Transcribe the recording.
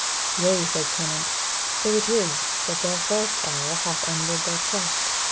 "Yea," said Clement, "so it is that their first error hath ended their quest.